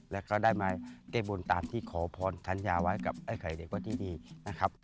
แล้วก็ได้มาแก้บนตามที่ขอพรธัญญาไว้กับไอ้ไข่เด็กวัดที่ดีนะครับ